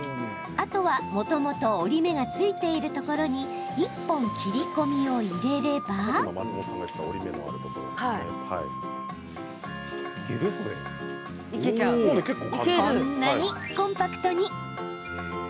あとは、もともと折り目がついているところに１本切り込みを入れればこんなにコンパクトに！